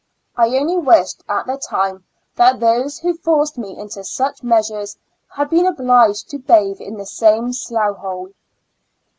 I only wished at the time that those who forced me into such measures had been obliged to bathe in the same slough hole.